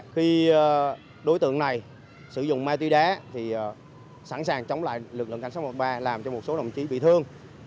khi đối tượng này sử dụng ma túy đá thì sẵn sàng chống lại lực lượng cảnh sát một mươi ba làm cho một số đồng chí bị thương